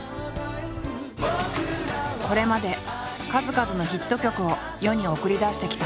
これまで数々のヒット曲を世に送り出してきた。